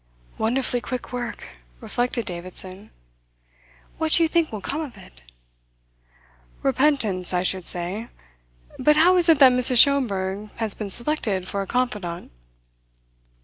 "Wonderfully quick work," reflected Davidson. "What do you think will come of it?" "Repentance, I should say. But how is it that Mrs. Schomberg has been selected for a confidante?"